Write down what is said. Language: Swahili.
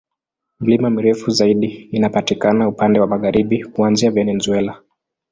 Milima mirefu zaidi inapatikana upande wa magharibi, kuanzia Venezuela.